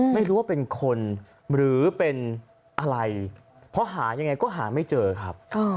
ไม่รู้ว่าเป็นคนหรือเป็นอะไรเพราะหายังไงก็หาไม่เจอครับ